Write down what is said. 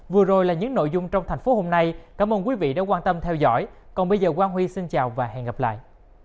vừa rồi là những nội dung trong thành phố hôm nay cảm ơn quý vị đã quan tâm theo dõi còn bây giờ quang huy xin chào và hẹn gặp lại